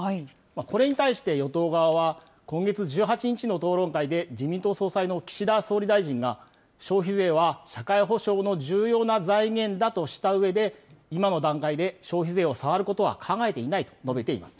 これに対して、与党側は、今月１８日の討論会で、自民党総裁の岸田総理大臣が、消費税は社会保障の重要な財源だとしたうえで、今の段階で消費税を触ることは考えていないと述べています。